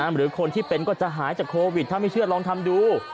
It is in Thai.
หรือคนที่เป็นก็จะหายจากโควิดถ้าไม่เชื่อลองทำดู